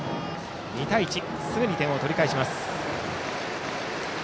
２対１とすぐに点を取り返します。